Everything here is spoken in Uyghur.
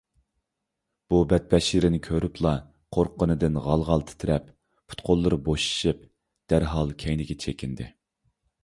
بۇ بەتبەشىرىنى كۆرۈپلا قورققىنىدىن غال - غال تىترەپ، پۇت - قوللىرى بوشىشىپ دەرھال كەينىگە چېكىندى.